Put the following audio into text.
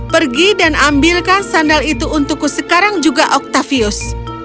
pergi dan ambilkan sandal itu untukku sekarang juga octavius